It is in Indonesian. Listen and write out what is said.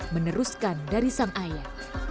meneruskan dari sang ayah